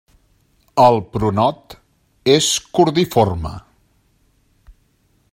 El pronot és cordiforme.